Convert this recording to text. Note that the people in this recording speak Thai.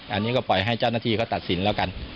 อันนี้ก็ปล่อยให้เจ้าหน้าที่เขาตัดสินแล้วกัน